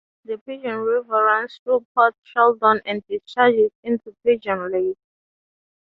The Pigeon River runs through Port Sheldon and discharges into Pigeon Lake.